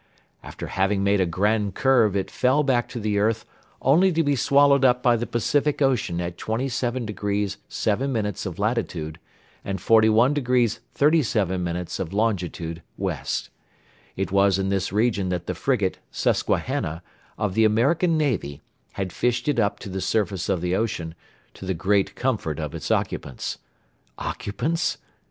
After having made a grand curve it fell back to the earth only to be swallowed up by the Pacific Ocean at 27° 7' of latitude and 41° 37' of longitude, west. It was in this region that the frigate, Susquehanna, of the American Navy, had fished it up to the surface of the ocean, to the great comfort of its occupants. Occupants?